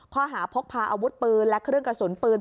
ข้อหาพกพาอาวุธปืนและเครื่องกระสุนปืน